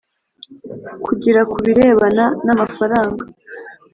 kugira ku birebana n amafaranga